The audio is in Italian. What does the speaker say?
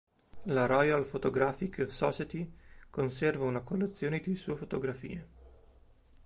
La Royal Photographic Society conserva una collezione di sue fotografie.